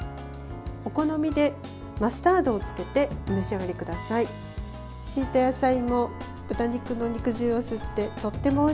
お好みで、マスタードをつけてお召し上がりください。